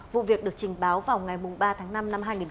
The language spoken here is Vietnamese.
vụ việc được trình báo vào ngày ba tháng năm năm hai nghìn một mươi chín